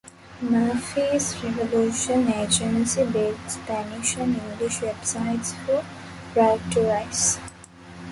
Murphy's Revolution Agency built Spanish and English websites for Right to Rise.